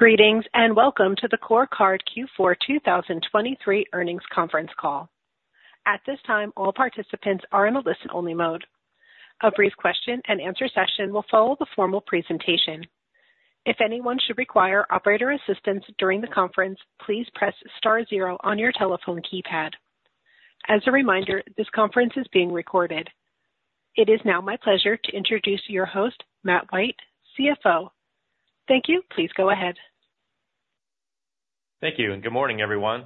Greetings and welcome to the CoreCard Q4 2023 earnings conference call. At this time, all participants are in a listen-only mode. A brief question-and-answer session will follow the formal presentation. If anyone should require operator assistance during the conference, please press star zero on your telephone keypad. As a reminder, this conference is being recorded. It is now my pleasure to introduce your host, Matt White, CFO. Thank you. Please go ahead. Thank you, and good morning, everyone.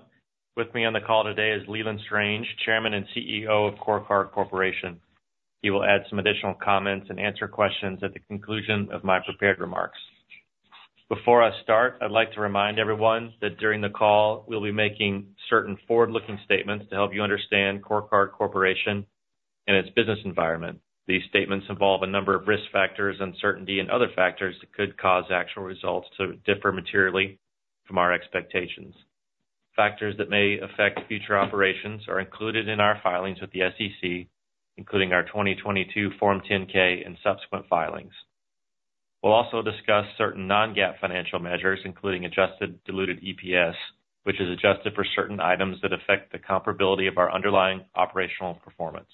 With me on the call today is Leland Strange, Chairman and CEO of CoreCard Corporation. He will add some additional comments and answer questions at the conclusion of my prepared remarks. Before I start, I'd like to remind everyone that during the call, we'll be making certain forward-looking statements to help you understand CoreCard Corporation and its business environment. These statements involve a number of risk factors, uncertainty, and other factors that could cause actual results to differ materially from our expectations. Factors that may affect future operations are included in our filings with the SEC, including our 2022 Form 10-K and subsequent filings. We'll also discuss certain non-GAAP financial measures, including adjusted diluted EPS, which is adjusted for certain items that affect the comparability of our underlying operational performance.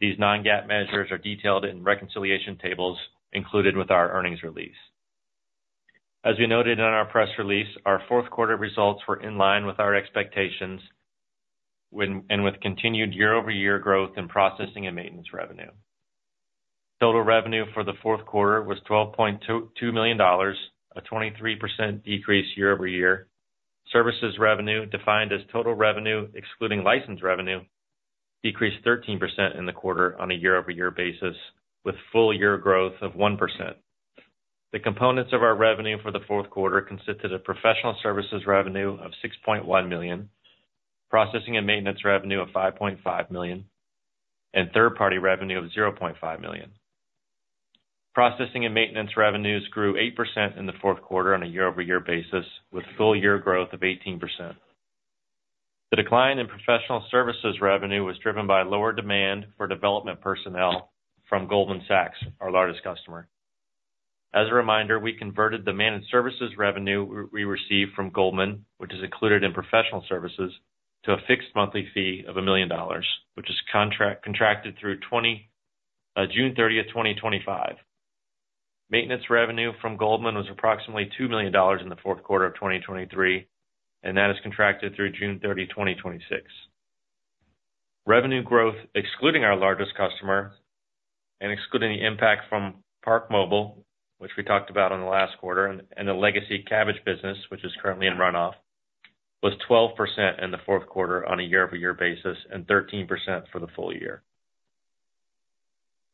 These non-GAAP measures are detailed in reconciliation tables included with our earnings release. As we noted in our press release, our fourth quarter results were in line with our expectations and with continued year-over-year growth in processing and maintenance revenue. Total revenue for the fourth quarter was $12.2 million, a 23% decrease year-over-year. Services revenue, defined as total revenue excluding license revenue, decreased 13% in the quarter on a year-over-year basis, with full year growth of 1%. The components of our revenue for the fourth quarter consisted of professional services revenue of $6.1 million, processing and maintenance revenue of $5.5 million, and third-party revenue of $0.5 million. Processing and maintenance revenues grew 8% in the fourth quarter on a year-over-year basis, with full year growth of 18%. The decline in professional services revenue was driven by lower demand for development personnel from Goldman Sachs, our largest customer. As a reminder, we converted the managed services revenue we received from Goldman, which is included in professional services, to a fixed monthly fee of $1 million, which is contracted through June 30, 2025. Maintenance revenue from Goldman was approximately $2 million in the fourth quarter of 2023, and that is contracted through June 30, 2026. Revenue growth, excluding our largest customer and excluding the impact from ParkMobile, which we talked about in the last quarter, and the legacy card business, which is currently in runoff, was 12% in the fourth quarter on a year-over-year basis and 13% for the full year.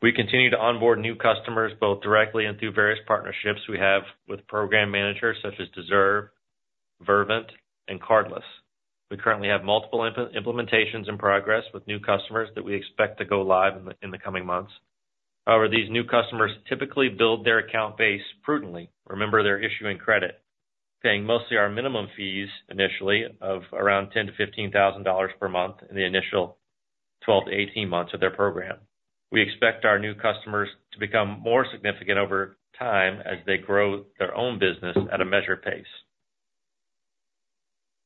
We continue to onboard new customers both directly and through various partnerships we have with program managers such as Deserve, Vervent, and Cardless. We currently have multiple implementations in progress with new customers that we expect to go live in the coming months. However, these new customers typically build their account base prudently, remember, they're issuing credit, paying mostly our minimum fees initially of around $10,000-$15,000 per month in the initial 12-18 months of their program. We expect our new customers to become more significant over time as they grow their own business at a measured pace.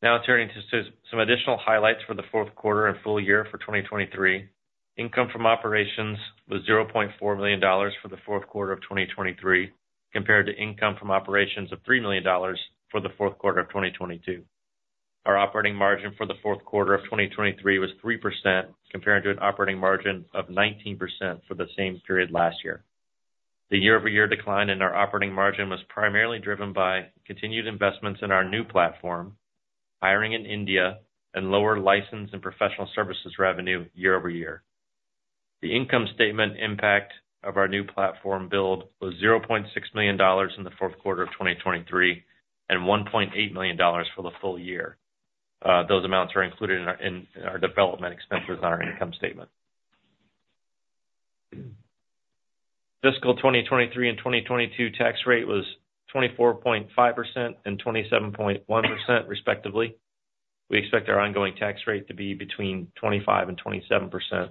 Now turning to some additional highlights for the fourth quarter and full year for 2023. Income from operations was $0.4 million for the fourth quarter of 2023, compared to income from operations of $3 million for the fourth quarter of 2022. Our operating margin for the fourth quarter of 2023 was 3%, compared to an operating margin of 19% for the same period last year. The year-over-year decline in our operating margin was primarily driven by continued investments in our new platform, hiring in India, and lower license and professional services revenue year-over-year. The income statement impact of our new platform build was $0.6 million in the fourth quarter of 2023 and $1.8 million for the full year. Those amounts are included in our development expenses on our income statement. Fiscal 2023 and 2022 tax rate was 24.5% and 27.1%, respectively. We expect our ongoing tax rate to be between 25%-27%.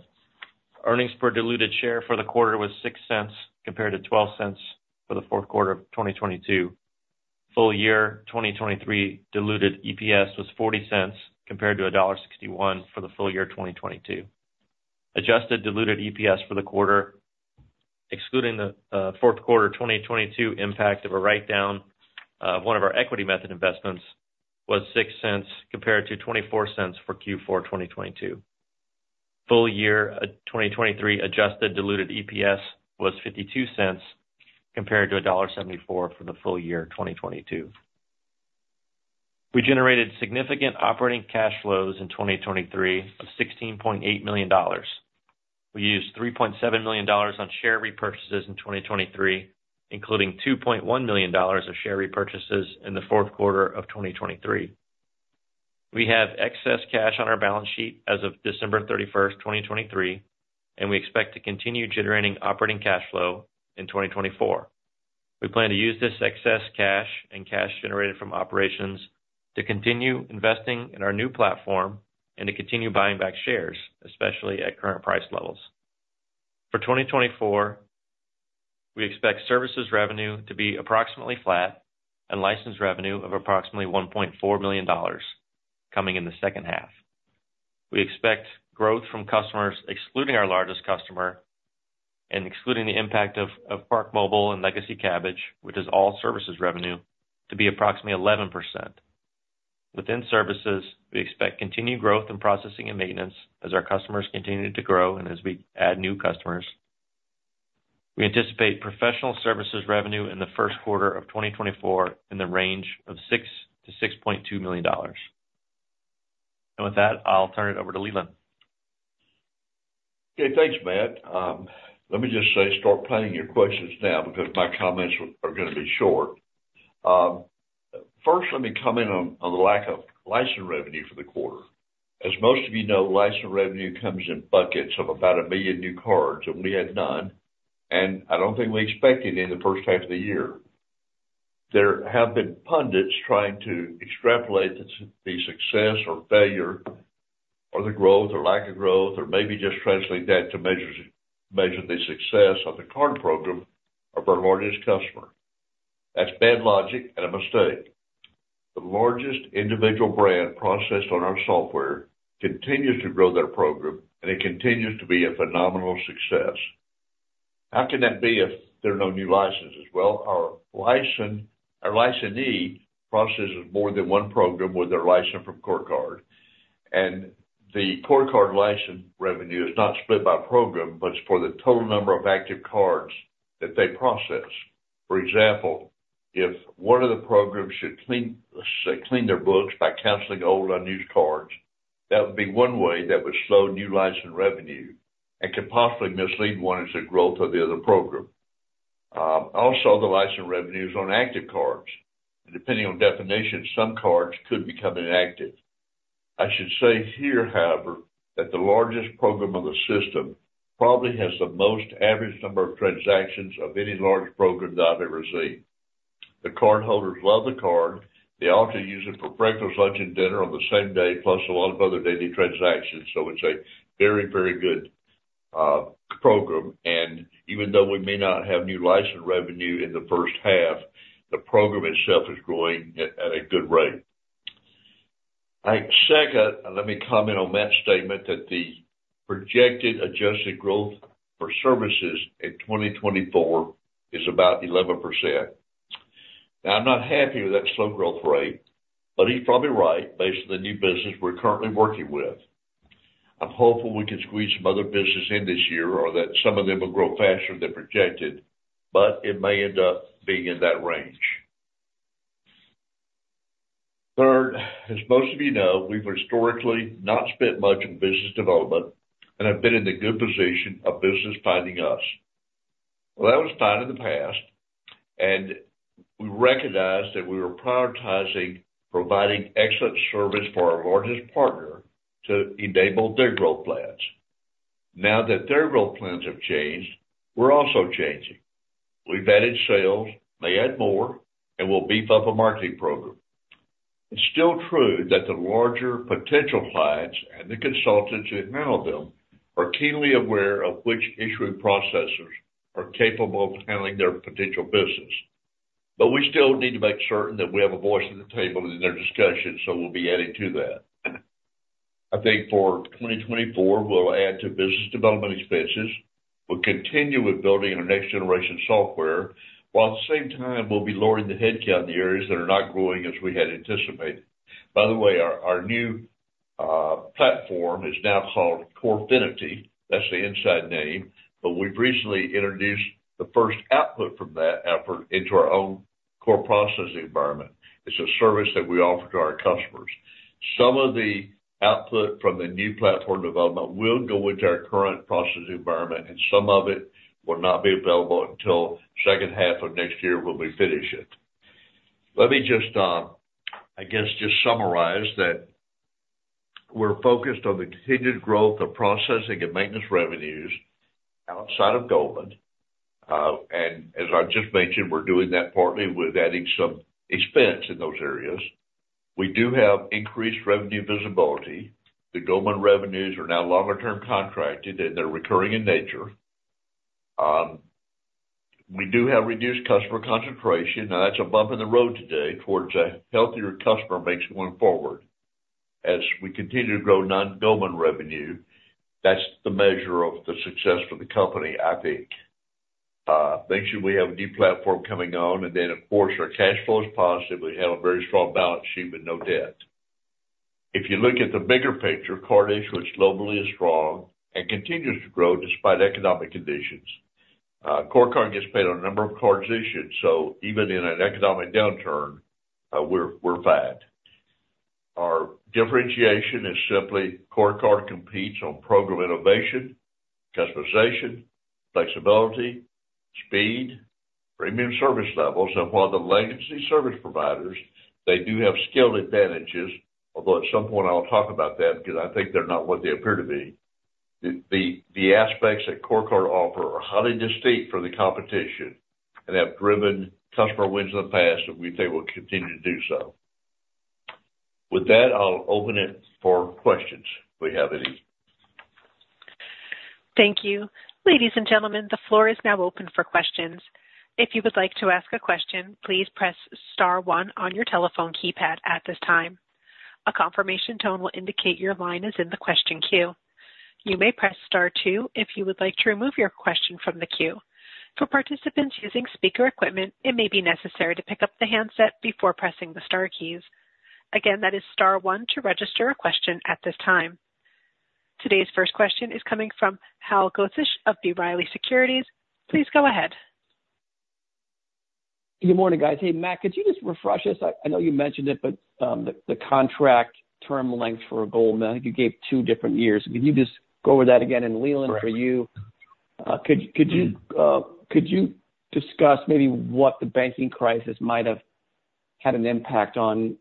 Earnings per diluted share for the quarter was $0.06, compared to $0.12 for the fourth quarter of 2022. Full year 2023 diluted EPS was $0.40, compared to $1.61 for the full year 2022. Adjusted diluted EPS for the quarter, excluding the fourth quarter 2022 impact of a write-down of one of our equity method investments, was $0.06, compared to $0.24 for Q4 2022. Full year 2023 adjusted diluted EPS was $0.52, compared to $1.74 for the full year 2022. We generated significant operating cash flows in 2023 of $16.8 million. We used $3.7 million on share repurchases in 2023, including $2.1 million of share repurchases in the fourth quarter of 2023. We have excess cash on our balance sheet as of December 31, 2023, and we expect to continue generating operating cash flow in 2024. We plan to use this excess cash and cash generated from operations to continue investing in our new platform and to continue buying back shares, especially at current price levels. For 2024, we expect services revenue to be approximately flat and license revenue of approximately $1.4 million, coming in the second half. We expect growth from customers, excluding our largest customer and excluding the impact of ParkMobile and legacy business, which is all services revenue, to be approximately 11%. Within services, we expect continued growth in processing and maintenance as our customers continue to grow and as we add new customers. We anticipate professional services revenue in the first quarter of 2024 in the range of $6 million-$6.2 million. With that, I'll turn it over to Leland. Okay, thanks, Matt. Let me just say, start planning your questions now because my comments are going to be short. First, let me comment on the lack of license revenue for the quarter. As most of you know, license revenue comes in buckets of about 1 million new cards, and we had none, and I don't think we expected any in the first half of the year. There have been pundits trying to extrapolate the success or failure or the growth or lack of growth or maybe just translate that to measure the success of the card program of our largest customer. That's bad logic and a mistake. The largest individual brand processed on our software continues to grow their program, and it continues to be a phenomenal success. How can that be if there are no new licenses? Well, our licensee processes more than one program with their license from CoreCard, and the CoreCard license revenue is not split by program, but it's for the total number of active cards that they process. For example, if one of the programs should clean their books by canceling old unused cards, that would be one way that would slow new license revenue and could possibly mislead one into growth of the other program. Also, the license revenue is on active cards, and depending on definition, some cards could become inactive. I should say here, however, that the largest program of the system probably has the most average number of transactions of any large program that I've ever seen. The cardholders love the card. They often use it for breakfast, lunch, and dinner on the same day, plus a lot of other daily transactions. So it's a very, very good program. Even though we may not have new license revenue in the first half, the program itself is growing at a good rate. Second, let me comment on Matt's statement that the projected adjusted growth for services in 2024 is about 11%. Now, I'm not happy with that slow growth rate, but he's probably right based on the new business we're currently working with. I'm hopeful we can squeeze some other business in this year or that some of them will grow faster than projected, but it may end up being in that range. Third, as most of you know, we've historically not spent much on business development and have been in the good position of business finding us. Well, that was fine in the past, and we recognized that we were prioritizing providing excellent service for our largest partner to enable their growth plans. Now that their growth plans have changed, we're also changing. We've added sales, may add more, and we'll beef up a marketing program. It's still true that the larger potential clients and the consultants who handle them are keenly aware of which issuing processors are capable of handling their potential business, but we still need to make certain that we have a voice at the table in their discussions, so we'll be adding to that. I think for 2024, we'll add to business development expenses. We'll continue with building our next generation software, while at the same time, we'll be lowering the headcount in the areas that are not growing as we had anticipated. By the way, our new platform is now called CoreFinity. That's the inside name, but we've recently introduced the first output from that effort into our own core processing environment. It's a service that we offer to our customers. Some of the output from the new platform development will go into our current processing environment, and some of it will not be available until second half of next year when we finish it. Let me just, I guess, just summarize that we're focused on the continued growth of processing and maintenance revenues outside of Goldman. And as I just mentioned, we're doing that partly with adding some expense in those areas. We do have increased revenue visibility. The Goldman revenues are now longer-term contracted, and they're recurring in nature. We do have reduced customer concentration. Now, that's a bump in the road today towards a healthier customer base going forward. As we continue to grow non-Goldman revenue, that's the measure of the success for the company, I think. I mentioned we have a new platform coming on, and then, of course, our cash flow is positive. We have a very strong balance sheet with no debt. If you look at the bigger picture, card issuance, which globally is strong and continues to grow despite economic conditions, CoreCard gets paid on a number of cards issued. So even in an economic downturn, we're fine. Our differentiation is simply CoreCard competes on program innovation, customization, flexibility, speed, premium service levels. And while the legacy service providers, they do have skilled advantages, although at some point I'll talk about that because I think they're not what they appear to be, the aspects that CoreCard offer are highly distinct from the competition and have driven customer wins in the past, and we think they will continue to do so. With that, I'll open it for questions if we have any. Thank you. Ladies and gentlemen, the floor is now open for questions. If you would like to ask a question, please press star one on your telephone keypad at this time. A confirmation tone will indicate your line is in the question queue. You may press star two if you would like to remove your question from the queue. For participants using speaker equipment, it may be necessary to pick up the handset before pressing the star keys. Again, that is star one to register a question at this time. Today's first question is coming from Hal Goetsch of B. Riley Securities. Please go ahead. Good morning, guys. Hey, Matt, could you just refresh us? I know you mentioned it, but the contract term length for Goldman, I think you gave two different years. Can you just go over that again? And Leland, for you, could you discuss maybe what the banking crisis might have had an impact on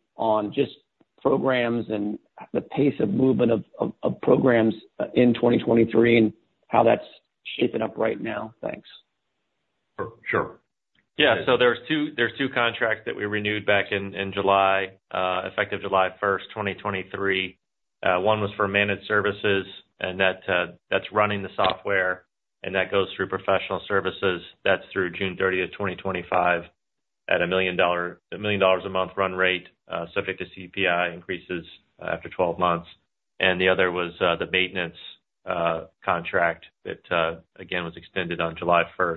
just programs and the pace of movement of programs in 2023 and how that's shaping up right now? Thanks. Sure. Yeah. So there's two contracts that we renewed back in July, effective July 1st, 2023. One was for managed services, and that's running the software, and that goes through professional services. That's through June 30th, 2025, at $1 million a month run rate, subject to CPI increases after 12 months. And the other was the maintenance contract that, again, was extended on July 1st,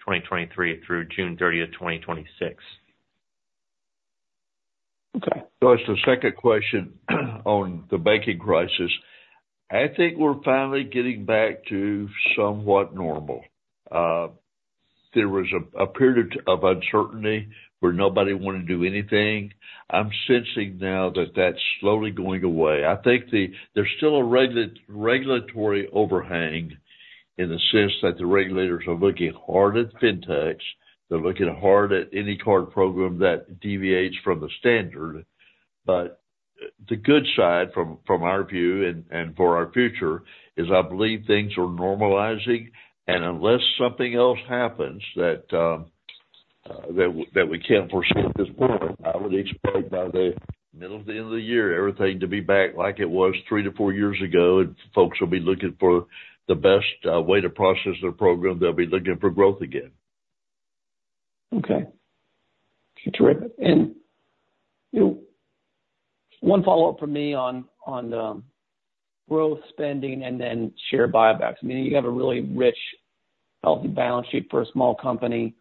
2023, through June 30th, 2026. Okay. So that's the second question on the banking crisis. I think we're finally getting back to somewhat normal. There was a period of uncertainty where nobody wanted to do anything. I'm sensing now that that's slowly going away. I think there's still a regulatory overhang in the sense that the regulators are looking hard at fintechs. They're looking hard at any card program that deviates from the standard. But the good side, from our view and for our future, is I believe things are normalizing. And unless something else happens that we can't foresee at this point, I would expect by the middle of the end of the year, everything to be back like it was three to four years ago, and folks will be looking for the best way to process their program. They'll be looking for growth again. Okay. Terrific. One follow-up from me on growth, spending, and then share buybacks. I mean, you have a really rich, healthy balance sheet for a small company.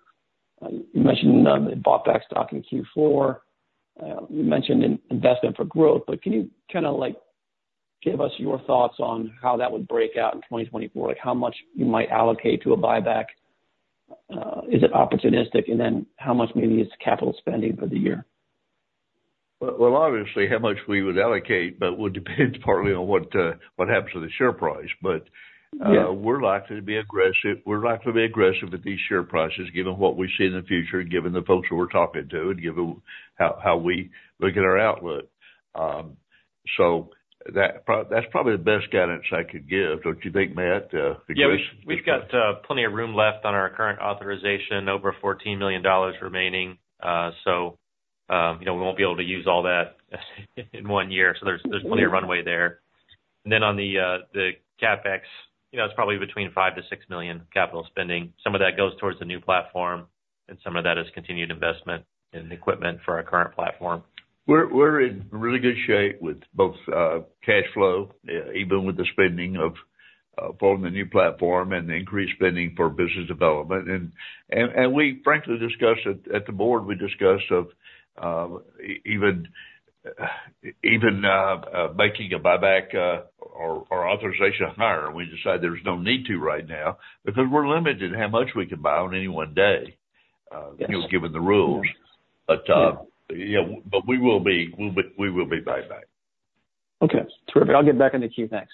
You mentioned they bought back stock in Q4. You mentioned investment for growth, but can you kind of give us your thoughts on how that would break out in 2024, how much you might allocate to a buyback? Is it opportunistic? And then how much maybe is capital spending for the year? Well, obviously, how much we would allocate, but would depend partly on what happens with the share price. But we're likely to be aggressive. We're likely to be aggressive at these share prices, given what we see in the future, given the folks who we're talking to, and given how we look at our outlook. So that's probably the best guidance I could give. Don't you think, Matt, aggressive? Yeah. We've got plenty of room left on our current authorization, over $14 million remaining. So we won't be able to use all that in one year. So there's plenty of runway there. And then on the CapEx, it's probably between $5 million-$6 million capital spending. Some of that goes towards the new platform, and some of that is continued investment in equipment for our current platform. We're in really good shape with both cash flow, even with the spending of following the new platform and the increased spending for business development. We, frankly, discussed at the board, we discussed of even making a buyback or authorization higher. We decided there's no need to right now because we're limited how much we can buy on any one day, given the rules. Yeah, but we will be buying back. Okay. Terrific. I'll get back on the queue. Thanks.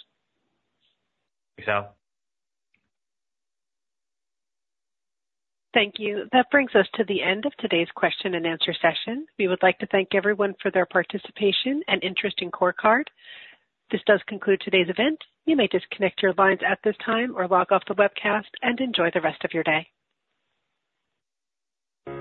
Thanks, Hal. Thank you. That brings us to the end of today's question and answer session. We would like to thank everyone for their participation and interest in CoreCard. This does conclude today's event. You may disconnect your lines at this time or log off the webcast and enjoy the rest of your day.